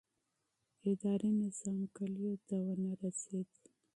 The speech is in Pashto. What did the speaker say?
اداري نظام کلیو ته ونه رسېد.